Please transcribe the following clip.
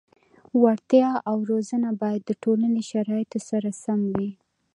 وړتیا او روزنه باید د ټولنې شرایطو سره سم وي.